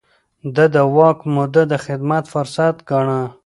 ده د واک موده د خدمت فرصت ګاڼه.